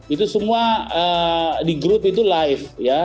itu semua di grup itu live ya